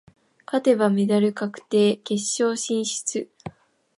勝てばメダル確定、決勝進出。